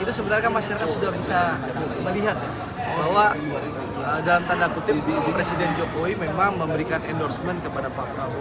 itu sebenarnya kan masyarakat sudah bisa melihat bahwa dalam tanda kutip presiden jokowi memang memberikan endorsement kepada pak prabowo